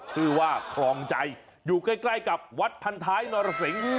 ชื่อว่าคลองใจอยู่ใกล้กับวัดพันท้ายนรสิง